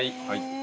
はい。